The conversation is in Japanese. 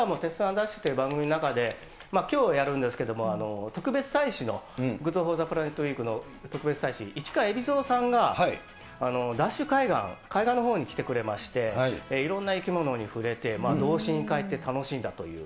ＤＡＳＨ！！という番組の中で、きょうやるんですけど、特別大使の、ＧｏｏｄＦｏｒｔｈｅＰｌａｎｅｔウイークの特別大使、市川海老蔵さんがＤＡＳＨ海岸、海岸のほうに来てくれまして、いろんな生き物に触れて、童心に返って楽しんだという。